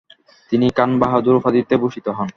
তিনি খান বাহাদুর উপাধিতে ভূষিত হন।